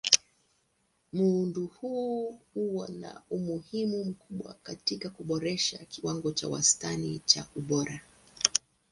Muundo huu huwa na umuhimu mkubwa katika kuboresha kiwango cha wastani cha ubora.